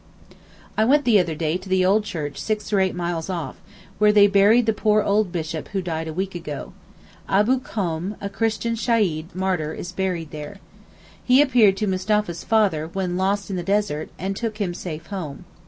I went the other day to the old church six or eight miles off, where they buried the poor old Bishop who died a week ago. Abu Khom, a Christian shaheed (martyr), is buried there. He appeared to Mustapha's father when lost in the desert, and took him safe home.